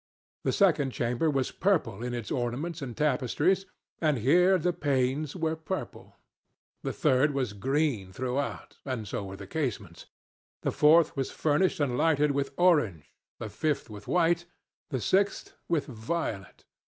The second chamber was purple in its ornaments and tapestries, and here the panes were purple. The third was green throughout, and so were the casements. The fourth was furnished and lighted with orange—the fifth with white—the sixth with violet.